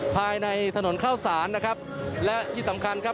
ภายในถนนเข้าศาลนะครับและที่สำคัญครับ